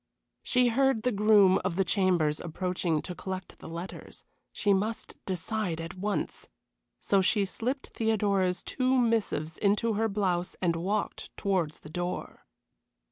She heard the groom of the chambers approaching to collect the letters; she must decide at once. So she slipped Theodora's two missives into her blouse and walked towards the door.